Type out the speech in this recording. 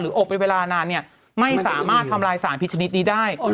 อบเป็นเวลานานเนี่ยไม่สามารถทำลายสารพิษชนิดนี้ได้